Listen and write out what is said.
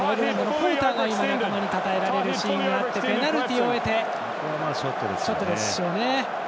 ポーターが仲間にたたえられるシーンがあってペナルティを得てショットでしょうね。